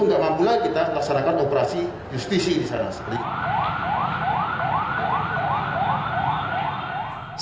nggak mampu lagi kita laksanakan operasi justisi di sana sekali